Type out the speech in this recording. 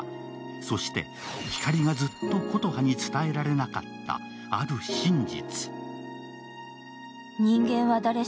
そして光がずっと琴葉に伝えられなかった、ある真実。